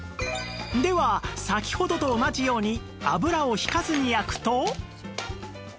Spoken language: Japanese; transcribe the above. では先ほどと同じように油をひかずに焼くと